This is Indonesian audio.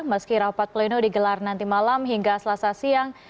meski rapat pleno digelar nanti malam hingga selasa siang